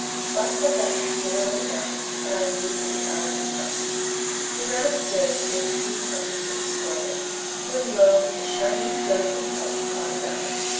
But, at last, dinner was announced, and I knew that the hour had come. He ran upstairs to give a few touches to his toilet, when lo! the shining stoves and pipes caught his eyes.